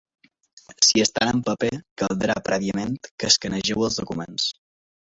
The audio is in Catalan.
Si estan en paper caldrà, prèviament, que escanegeu els documents.